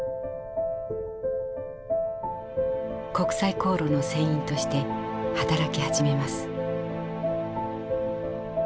国際航路の船員として働き始めます。